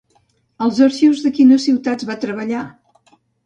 Als arxius de quines ciutats va treballar?